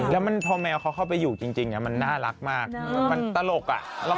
แล้วพอแมวเขาเข้าไปอยู่จริงมันน่ารักมากมันตลกอ่ะ